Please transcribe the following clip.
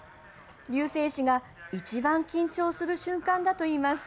龍勢師が一番緊張する瞬間だといいます。